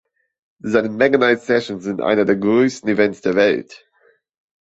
Seine Meganite-Sessions sind eines der größten Events der Welt.